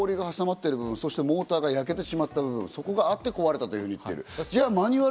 氷が挟まってる部分、モーターが焼けてしまった部分、そこがあって壊れたと言っている。